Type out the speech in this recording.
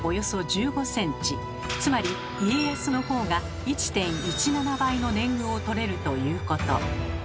つまり家康のほうが１．１７倍の年貢をとれるということ。